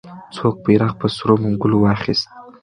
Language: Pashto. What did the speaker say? څوک بیرغ په سرو منګولو واخیست؟